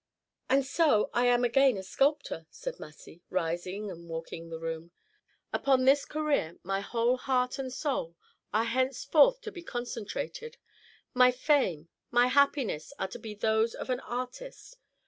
"And so I am again a sculptor!" said Massy, rising and walking the room. "Upon this career my whole heart and soul are henceforth to be concentrated; my fame, my happiness are to be those of the artist.